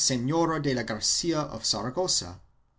Senora de la Gracia of Saragossa.